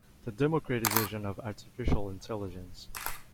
The democratization of artificial intelligence.